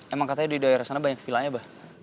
emang katanya di daerah sana banyak villanya bah